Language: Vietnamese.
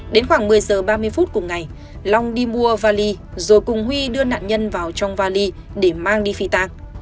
đến khoảng một mươi giờ ba mươi phút cùng ngày long đi mua vali rồi cùng huy đưa nạn nhân vào trong vali để mang đi phi tàng